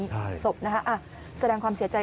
ใช่ศพนะคะแสดงความเสียใจ